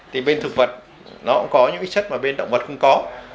thì bên thực vật nó cũng có những cái chất mà bên động vật không có